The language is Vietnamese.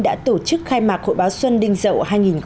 đã tổ chức khai mạc hội báo xuân đinh dậu hai nghìn một mươi bảy